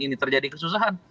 ini terjadi kesusahan